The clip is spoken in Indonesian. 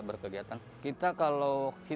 penggugur kab aoa